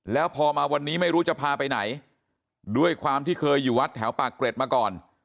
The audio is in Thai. แล้วพอมาวันนี้ไม่รู้จะพาไปไหนด้วยความที่เคยอยู่วัดแถวปากเกร็ดมาก่อน